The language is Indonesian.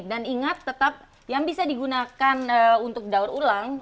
dan ingat tetap yang bisa digunakan untuk daur ulang